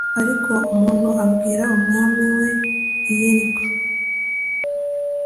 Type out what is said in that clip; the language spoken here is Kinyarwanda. ariko umuntu umwe abwira umwami w i yeriko